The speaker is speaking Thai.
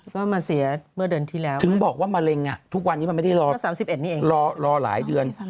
ก็มาเสียเมื่อเดือนที่แล้วถึงบอกว่ามะเร็งทุกวันนี้มันไม่ได้รอ๓๑นี่เองรอหลายเดือน